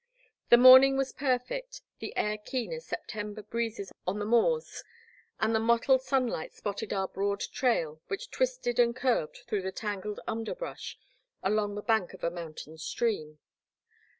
The morning was perfect, the air keen as Sep tember breezes on the moors, and the mottled sunlight spotted our broad trail which twisted and curved through the tangled underbrush along the bank of a mountain stream.